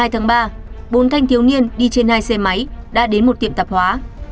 hai mươi tháng ba bốn thanh thiếu niên đi trên hai xe máy đã đến một tiệm tạp hóa